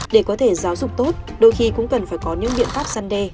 để có thể giáo dục tốt đôi khi cũng cần phải có những biện pháp săn đe